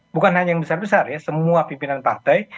bukan hanya yang besar besar ya semua pimpinan partai